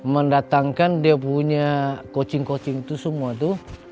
mendatangkan dia punya coaching coaching itu semua itu